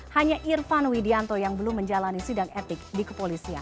hanya irfan widianto yang belum menjalani sidang etik di kepolisian